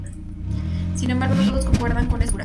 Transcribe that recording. Sin embargo, no todos concuerdan con esta postura.